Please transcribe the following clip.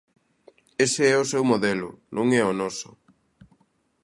Ese é o seu modelo, non é o noso.